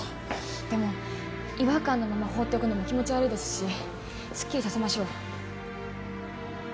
でも違和感のまま放っておくのも気持ち悪いですしスッキリさせましょう。